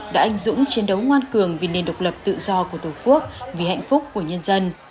đã anh dũng chiến đấu ngoan cường vì nền độc lập tự do của tổ quốc vì hạnh phúc của nhân dân